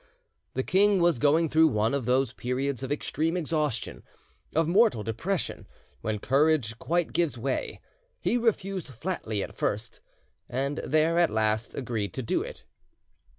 The king was going through one of those periods of extreme exhaustion, of mortal depression, when courage quite gives way: he refused flatly at first, and there at last agreed to do it.